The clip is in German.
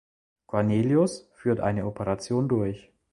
Cornelius führt eine Operation durch.